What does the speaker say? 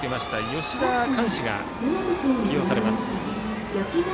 吉田貫志が起用されます。